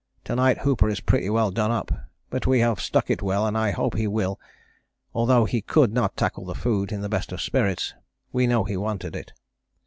To night Hooper is pretty well done up, but he have stuck it well and I hope he will, although he could not tackle the food in the best of spirits, we know he wanted it.